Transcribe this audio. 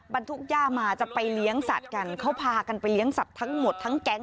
บรรทุกย่ามาจะไปเลี้ยงสัตว์กันเขาพากันไปเลี้ยงสัตว์ทั้งหมดทั้งแก๊ง